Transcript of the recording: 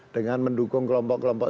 dengan mendukung kelompok kelompok